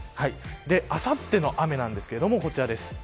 あさっての雨なんですけれどもこちらです。